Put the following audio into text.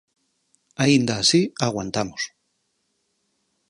Aínda así aguantamos.